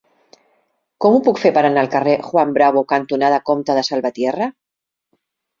Com ho puc fer per anar al carrer Juan Bravo cantonada Comte de Salvatierra?